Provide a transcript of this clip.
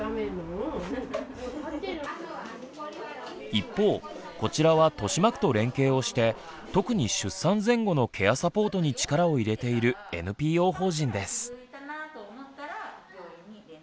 一方こちらは豊島区と連携をして特に出産前後のケアサポートに力を入れているＮＰＯ法人です。